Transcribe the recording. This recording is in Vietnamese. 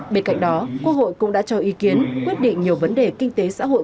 bên cạnh đó quốc hội cũng đã cho ý kiến quyết định nhiều vấn đề kinh tế xã hội